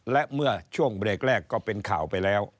และเมื่อช่วงเบรกแรกก็เป็นข่าวไปแล้ว